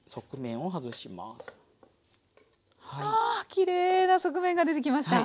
きれいな側面が出てきました。